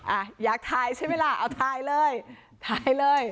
อะอยากถ่ายใช่มั้ยล่ะถ่ายเลยถ่าย